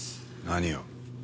何を？